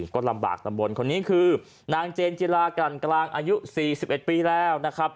ก็ลำบากตำบลคนนี้คือนางเจนจิลากลั่นกลางอายุ๔๑ปีแล้วนะครับ